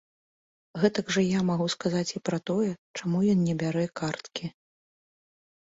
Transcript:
Гэтак жа я магу сказаць і пра тое, чаму ён не бярэ карткі.